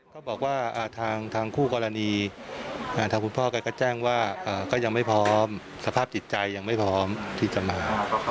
ก็บอกว่าทางคู่กรณีทางคุณพ่อแกก็แจ้งว่าก็ยังไม่พร้อมสภาพจิตใจยังไม่พร้อมที่จะมา